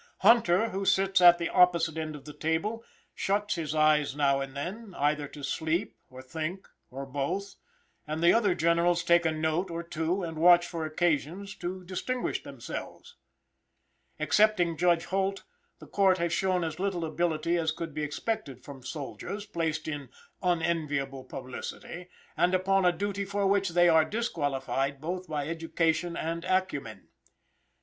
Hunter, who sits at the opposite end of the table, shuts his eyes now and then, either to sleep or think, or both, and the other generals take a note or two, and watch for occasions to distinguish themselves. Excepting Judge Holt, the court has shown as little ability as could be expected from soldiers, placed in unenviable publicity, and upon a duty for which they are disqualified, both by education and acumen.